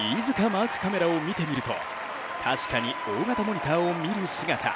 マークカメラを見てみると、確かに大型モニターを見る姿。